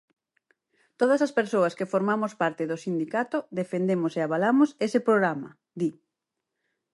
Todas as persoas que formamos parte do sindicato defendemos e avalamos ese programa, di.